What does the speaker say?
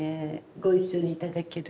ご一緒に頂ける。